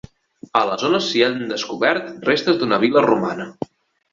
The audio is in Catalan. A la zona s'hi han descobert restes d'una vil·la romana.